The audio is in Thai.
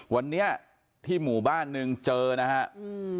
วันนี้ที่หมู่บ้านนึงเจอนะครับ